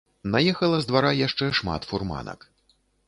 Наехала з двара яшчэ шмат фурманак.